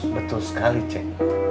betul sekali cenk